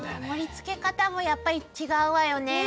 盛りつけ方もやっぱり違うわよね。